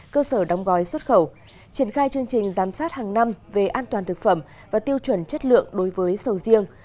cơ sở đóng gói xuất khẩu triển khai chương trình giám sát hàng năm về an toàn thực phẩm và tiêu chuẩn chất lượng đối với sầu riêng